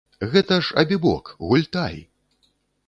Гэта ж абібок, гультай!